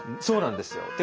そうなんですよ。